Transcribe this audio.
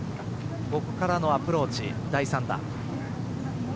ここからのアプローチ第３打。